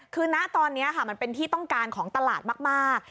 คือณตอนนี้มันเป็นที่ต้องการของตลาดมาก